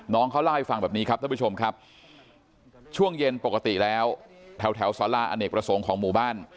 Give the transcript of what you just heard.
น้องเขาเล่าให้ฟังแบบนี้ครับท่านผู้ชมครับช่วงเย็นปกติแล้วแถวสาราอเนกประสงค์ของหมู่บ้าน